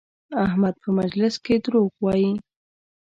احمد په مجلس کې دروغ وایي؛